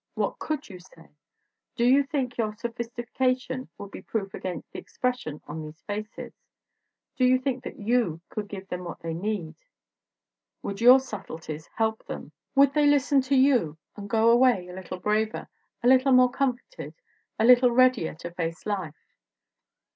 What could you say? Do you think your sophistication would be proof against the expression on these faces? Do you think that you could give no THE WOMEN WHO MAKE OUR NOVELS them what they need? Would your subtleties help them? Would they listen to you and go away a little braver, a little more comforted, a little readier to face life?